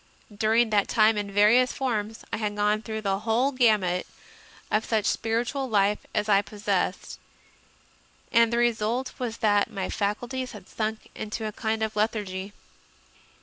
During that time, in various forms, I had gone through the whole gamut of such spiritual life as I possessed, and the result was that my fac ulties had sunk into a kind of lethargy.